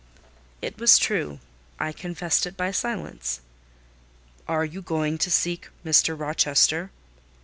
It was true. I confessed it by silence. "Are you going to seek Mr. Rochester?"